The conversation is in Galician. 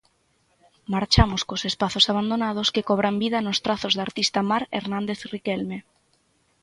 Marchamos cos espazos abandonados que cobran vida nos trazos da artista Mar Hernández Riquelme.